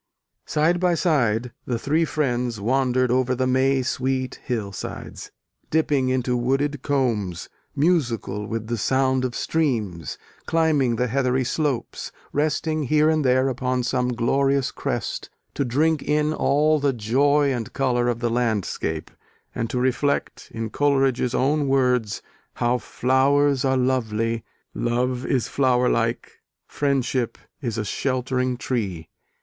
Side by side the three friends wandered over the May sweet hillsides, dipping into wooded combes, musical with the sound of streams, climbing the heathery slopes, resting here and there upon some glorious crest to drink in all the joy and colour of the landscape, and to reflect, in Coleridge's own words, how Flowers are lovely; Love is flower like; Friendship is a sheltering tree.